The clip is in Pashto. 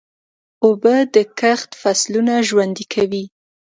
اوبه د کښت فصلونه ژوندي کوي.